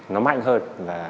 nó mạnh hơn